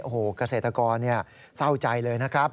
โอ้โหเกษตรกรเศร้าใจเลยนะครับ